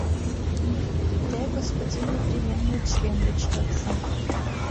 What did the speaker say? Те господин непременный член деч йодса...